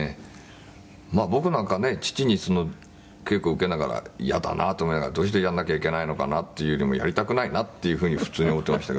まあ僕なんかね父に稽古を受けながらやだなと思いながらどうしてやらなきゃいけないのかなっていうよりもやりたくないなっていうふうに普通に思っていましたけどね」